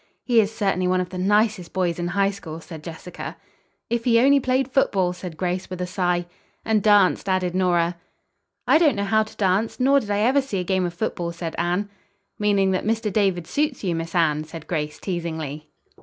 "He is certainly one of the nicest boys in High School," said Jessica. "If he only played football!" said Grace, with a sigh. "And danced," added Nora. "I don't know how to dance, nor did I ever see a game of football," said Anne. "Meaning that Mr. David suits you, Miss Anne," said Grace teasingly.